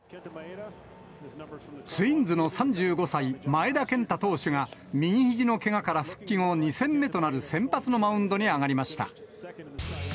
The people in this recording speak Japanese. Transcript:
ツインズの３５歳、前田健太投手が、右ひじのけがから復帰後２戦目となる先発のマウンドに上がりました。